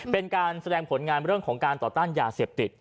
เป็นการแสดงผลงานเรื่องของการต่อต้านยาเสพติด